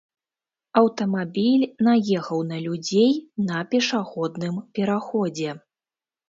Аўтамабіль наехаў на людзей на пешаходным пераходзе.